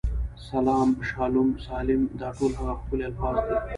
سلام، شالوم، سالم، دا ټول هغه ښکلي الفاظ دي.